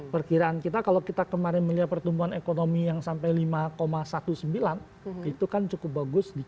perkiraan kita kalau kita kemarin melihat pertumbuhan ekonomi yang sampai lima sembilan belas itu kan cukup bagus